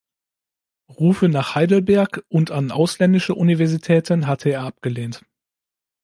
Rufe nach Heidelberg und an ausländische Universitäten hatte er abgelehnt.